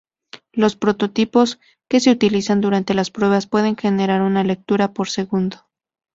Los prototipos que se utilizan durante las pruebas pueden generar una lectura por segundo.